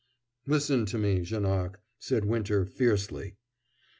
"Listen to me, Janoc," said Winter fiercely.